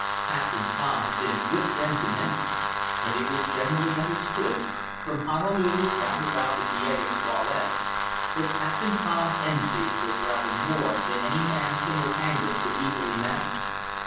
Captain Tom had been a good friend to many: but it was generally understood, from Honolulu round about to Diego Suarez, that Captain Tom's enmity was rather more than any man single handed could easily manage.